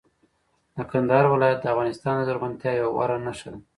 د کندهار ولایت د افغانستان د زرغونتیا یوه غوره نښه ده.